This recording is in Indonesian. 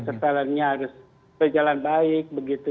setelannya harus berjalan baik